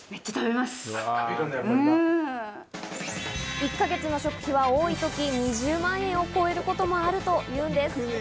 １か月の食費は多い時、２０万円を超えることもあるというんです。